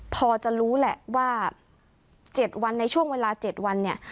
พอจะรู้แหละว่า๗วันในช่วงเวลา๗วันเนี่ย